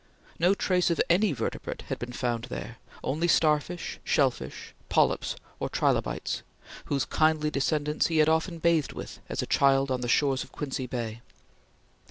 No trace of any vertebrate had been found there; only starfish, shell fish, polyps, or trilobites whose kindly descendants he had often bathed with, as a child on the shores of Quincy Bay.